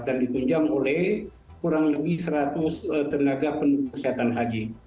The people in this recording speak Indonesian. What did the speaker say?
dan ditunjang oleh kurang lebih seratus tenaga penuh kesehatan haji